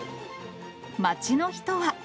街の人は。